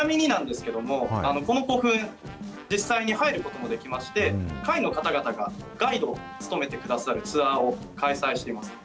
ちなみになんですけども、この古墳、実際に入ることもできまして、会の方々がガイドを務めてくださるツアーを開催しています。